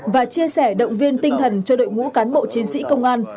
và chia sẻ động viên tinh thần cho đội ngũ cán bộ chiến sĩ công an